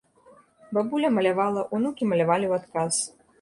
Бабуля малявала, унукі малявалі ў адказ.